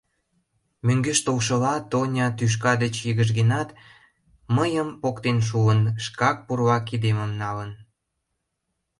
Мӧҥгеш толшыла, Тоня тӱшка деч йыгыжгенат, мыйым поктен шуын, шкак пурла кидемым налын.